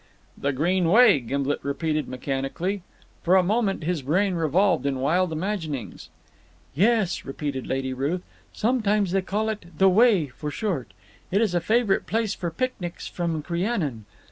"The Green Way," Gimblet repeated mechanically. For a moment his brain revolved with wild imaginings. "Yes," repeated Lady Ruth. "Sometimes they call it 'The Way,' for short. It is a favourite place for picnics from Crianan.